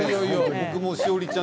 僕も詩織ちゃん